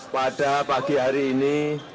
pada pagi hari ini